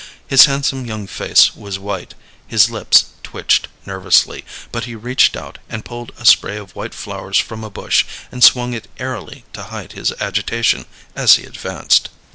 His handsome young face was white; his lips twitched nervously; but he reached out and pulled a spray of white flowers from a bush, and swung it airily to hide his agitation as he advanced.